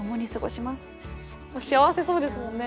幸せそうですもんね。